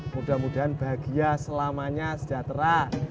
mudah mudahan bahagia selamanya sejahtera